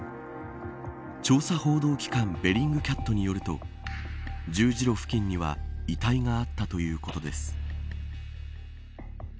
調査報道機関ベリングキャットによると十字路付近には遺体があったということです。